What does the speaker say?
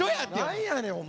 何やねんお前！